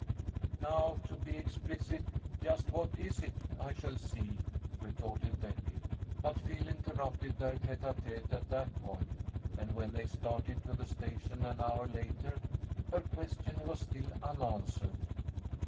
"Now, to be explicit, just what is it I shall see?" retorted Betty. But Phil interrupted their tête à tête at that point, and when they started to the station an hour later, her question was still unanswered.